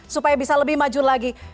supaya bisa lebih maju lagi